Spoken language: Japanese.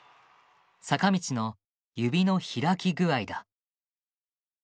坂道の指の開き具合だ。